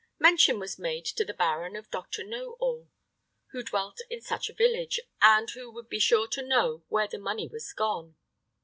Mention was made to the baron of Doctor Know All, who dwelt in such a village, and who would be sure to know where the money was gone.